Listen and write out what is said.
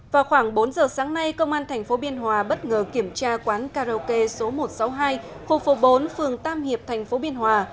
vào khoảng bốn giờ sáng nay công an tp biên hòa bất ngờ kiểm tra quán karaoke số một trăm sáu mươi hai khu phố bốn phường tam hiệp tp biên hòa